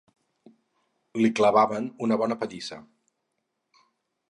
Li clavaven una bona pallissa.